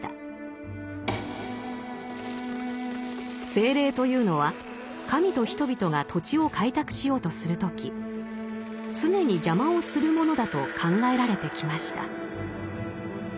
精霊というのは神と人々が土地を開拓しようとする時常に邪魔をするものだと考えられてきました。